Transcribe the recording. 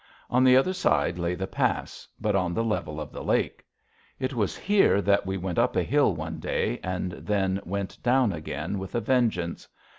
On the other side lay the pass, but on the level of the lake. It was here that we "went up a hill one day and then went down again" with a vengeance.